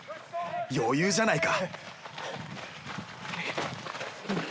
余裕じゃないか！